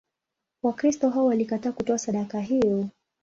Wakristo hao walikataa kutoa sadaka hiyo.